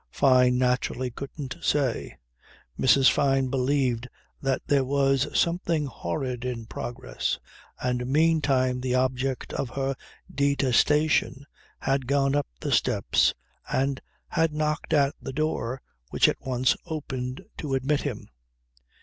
Fyne naturally couldn't say. Mrs. Fyne believed that there was something horrid in progress and meantime the object of her detestation had gone up the steps and had knocked at the door which at once opened to admit him.